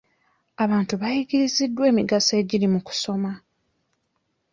Abantu bayigiriziddwa emigaso egiri mu kusoma.